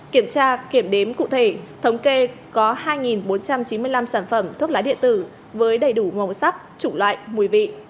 kiểm tra kiểm đếm cụ thể thống kê có hai bốn trăm chín mươi năm sản phẩm thuốc lá điện tử với đầy đủ màu sắc chủng loại mùi vị